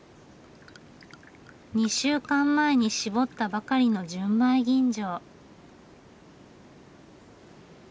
２週間前にしぼったばかりの純米吟醸。